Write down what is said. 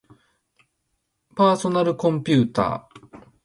パーソナルコンピューター